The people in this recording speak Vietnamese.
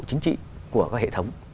chính trị của các hệ thống